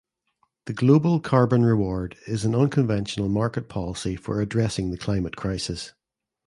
The global carbon reward is an unconventional market policy for addressing the climate crisis.